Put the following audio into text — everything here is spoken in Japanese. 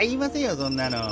そんなの。